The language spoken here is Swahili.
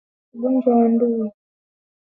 Ugonjwa wa ndui kwa ngamia